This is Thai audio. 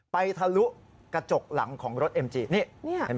ทะลุกระจกหลังของรถเอ็มจีนี่เห็นไหม